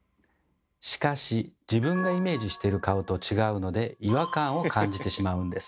しかし自分がイメージしてる顔と違うので違和感を感じてしまうんです。